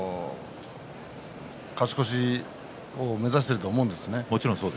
勝ち越しを目指していると思うんですよね